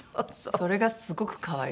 それがすごく可愛らしい。